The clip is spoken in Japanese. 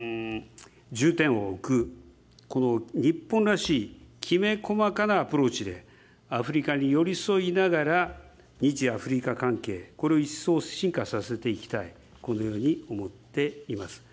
今後も人材育成や技術の移転にもしっかりと重点を置く、日本らしいきめ細かなアプローチで、アフリカに寄り添いながら、日アフリカ関係、これを一層進化させていきたい、このように思っています。